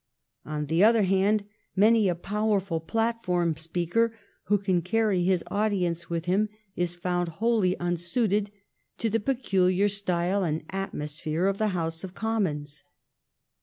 On the other hand, many a powerful platform speaker who can carry his audience with him is found wholly unsuited to the peculiar style and atmosphere of the House of Commons.